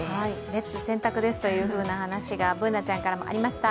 レッツ洗濯ですという話がＢｏｏｎａちゃんからもありました。